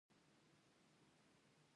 هغوی چې پاتې شول معاش یا پیسې ورنه کړل شوې